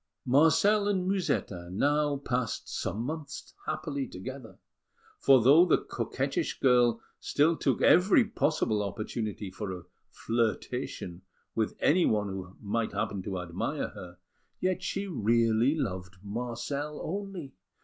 Marcel and Musetta now passed some months happily together, for though the coquettish girl still took every possible opportunity for a flirtation with anyone who might happen to admire her, yet she really loved Marcel only.